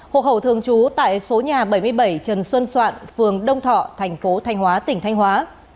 hộp hậu thường trú tại số nhà bảy mươi bảy trần xuân xoạn phường đông thọ thành phố thanh hóa tỉnh thanh hóa